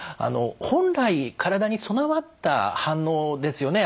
本来体に備わった反応ですよね